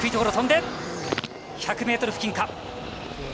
１００ｍ付近か。